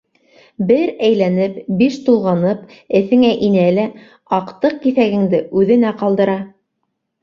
Бер әйләнеп, биш тулғанып, эҫеңә инә лә аҡтыҡ киҫәгеңде үҙенә ҡалдыра.